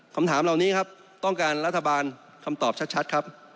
คำถามเหล่านี้ครับต้องการรัฐบาลคำตอบชัดครับ